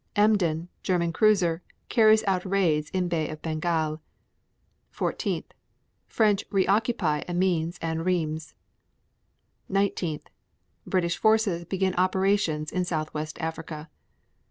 Emden, German cruiser, carries out raids in Bay of Bengal. 14. French reoccupy Amiens and Rheims. 19. British forces begin operations in Southwest Africa.